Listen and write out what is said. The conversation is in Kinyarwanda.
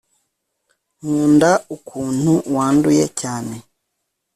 nkunda ukuntu wanduye cyane